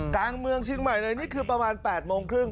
กลางเมืองเชียงใหม่เลยนี่คือประมาณ๘โมงครึ่ง